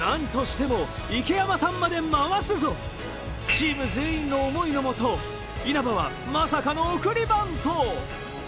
チーム全員の思いのもと稲葉はまさかの送りバント。